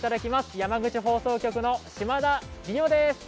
山口放送局の島田莉生です。